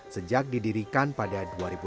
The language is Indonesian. sejak didirikan pada dua ribu delapan